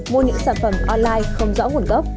mua những sản phẩm online không rõ nguồn gốc